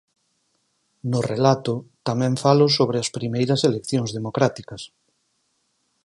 No relato tamén falo sobre as primeiras eleccións democráticas.